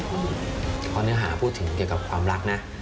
เพราะเนื้อหาพูดถึงเกี่ยวกับความรักนะ